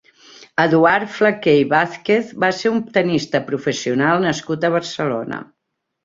Eduard Flaquer i Vázquez va ser un tennista professional nascut a Barcelona.